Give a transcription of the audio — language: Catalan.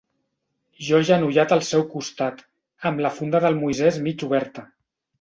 Jo agenollat al seu costat, amb la funda del Moisès mig oberta.